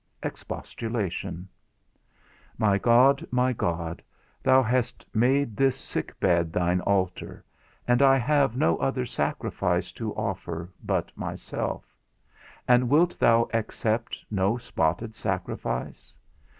XIII. EXPOSTULATION. My God, my God, thou hast made this sick bed thine altar, and I have no other sacrifice to offer but myself; and wilt thou accept no spotted sacrifice?